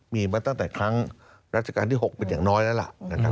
มีมาตั้งแต่ครั้งรัชกาลที่๖เป็นอย่างน้อยแล้วล่ะนะครับ